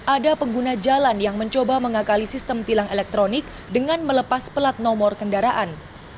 ada pengguna jalan yang mencoba mengakali sistem tilang elektronik dengan melepas pelat nomor kendaraan